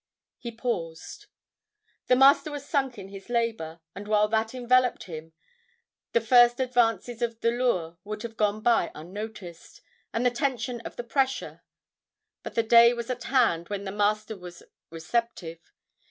He paused. "The Master was sunk in his labor, and while that enveloped him, the first advances of the lure would have gone by unnoticed—and the tension of the pressure. But the day was at hand when the Master was receptive.